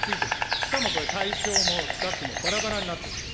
しかもこれ、対象の額もばらばらになってると。